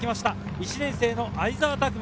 １年生の相澤拓摩。